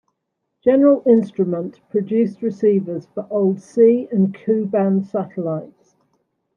General Instrument produced receivers for old C and Ku band satellites.